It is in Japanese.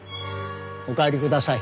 お帰りください。